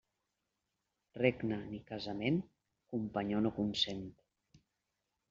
Regne ni casament, companyó no consent.